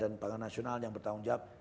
badan pangan nasional yang bertanggung jawab